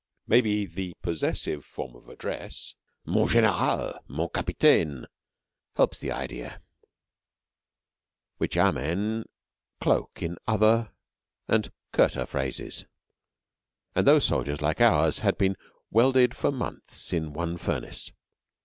Maybe the possessive form of address: "Mon general," "mon capitaine," helps the idea, which our men cloke in other and curter phrases. And those soldiers, like ours, had been welded for months in one furnace.